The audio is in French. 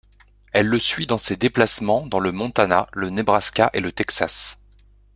Elle le suit dans ses déplacements dans le Montana, le Nebraska et le Texas.